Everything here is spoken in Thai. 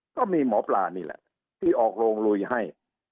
ก็มีหมอปลานี่แหละที่ออกโรงลุยให้